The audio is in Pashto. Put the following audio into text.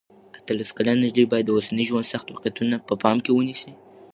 اتلس کلنه نجلۍ باید د اوسني ژوند سخت واقعیتونه په پام کې ونیسي.